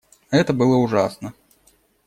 Это было ужасно.